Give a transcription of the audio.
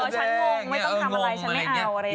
สวัสดีค่าข้าวใส่ไข่